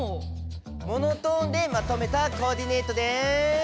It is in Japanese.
モノトーンでまとめたコーディネートです。